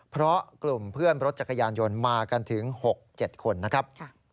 เพราะกลุ่มเพื่อนรถจักรยานยนต์มากันถึง๖๗คนนะครับ